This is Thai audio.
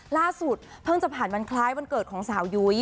ล่าสุดเพิ่งจะผ่านวันคล้ายวันเกิดของสาวยุ้ย